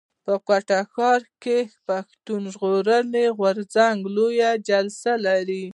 په کوټه ښار کښي پښتون ژغورني غورځنګ لويه جلسه لري.